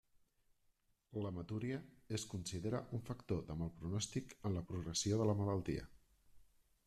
L'hematúria es considera un factor de mal pronòstic en la progressió de la malaltia.